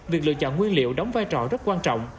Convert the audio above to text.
việc lựa chọn nguyên liệu đóng vai trò rất quan trọng